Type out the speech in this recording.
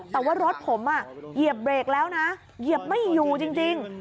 แต่ว่ารถผมเหยียบเบรกแล้วนะเหยียบไม่อยู่จริง